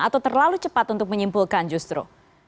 atau terlalu cepat untuk menyimpulkan justru